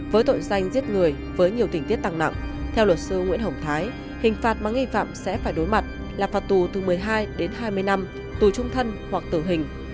với tội danh giết người với nhiều tình tiết tăng nặng theo luật sư nguyễn hồng thái hình phạt mà nghi phạm sẽ phải đối mặt là phạt tù từ một mươi hai đến hai mươi năm tù trung thân hoặc tử hình